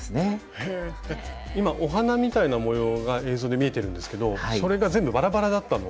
へえ今お花みたいな模様が映像で見えてるんですけどそれが全部バラバラだったのを。